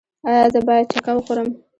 ایا زه باید چکه وخورم؟